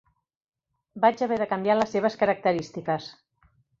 Vaig haver de canviar les seves característiques.